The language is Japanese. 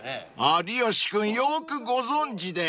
［有吉君よくご存じで］